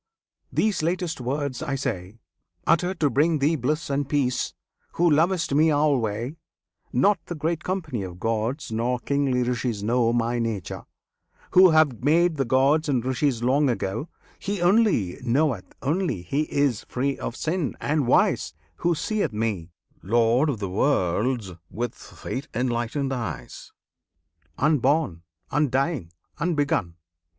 these latest words I say Uttered to bring thee bliss and peace, who lovest Me alway Not the great company of gods nor kingly Rishis know My Nature, Who have made the gods and Rishis long ago; He only knoweth only he is free of sin, and wise, Who seeth Me, Lord of the Worlds, with faith enlightened eyes, Unborn, undying, unbegun.